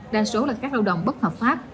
đa số là các lao động bất hợp pháp